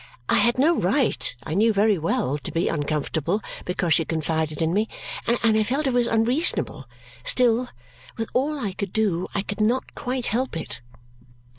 I had no right, I knew very well, to be uncomfortable because she confided in me, and I felt it was unreasonable; still, with all I could do, I could not quite help it.